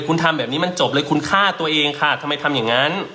คุณทำแบบนี้มันจบเลยคุณฆ่าตัวเองค่ะทำไมทำอย่างนั้น